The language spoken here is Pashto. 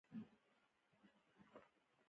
خو له موږ سره بیا هم ښه ګوزاره کوي.